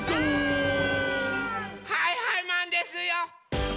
はいはいマンですよ！